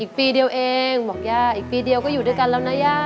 ปีเดียวเองบอกย่าอีกปีเดียวก็อยู่ด้วยกันแล้วนะย่า